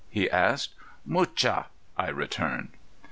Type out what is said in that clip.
he asked. "Mucha," I returned.